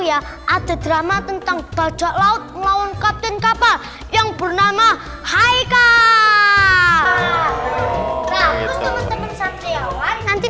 ya ada drama tentang bajak laut melawan kapten kapal yang bernama haika terus teman teman satriawan nanti